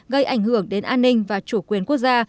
gây ảnh hưởng đến an ninh và chủ quyền quốc gia